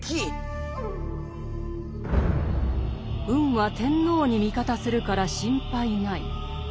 運は天皇に味方するから心配ない。